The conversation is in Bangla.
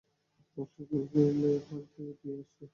মাস্টার প্রিন্সিপালকে নিয়ে আসছে!